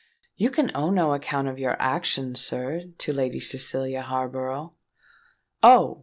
"You can owe no account of your actions, sir, to Lady Cecilia Harborough." "Oh!